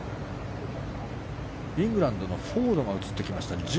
イングランドのフォードが映ってきました。